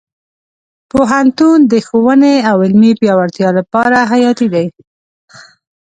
پوهنتون د ښوونې او علمي پیاوړتیا لپاره حیاتي دی.